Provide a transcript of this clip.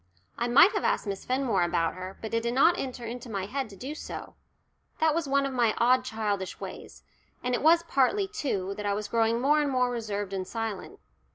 I might have asked Miss Fenmore about her, but it did not enter into my head to do so: that was one of my odd childish ways. And it was partly, too, that I was growing more and more reserved and silent.